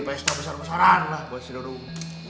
saya mau bikin pesto besar besaran lah buat si dodong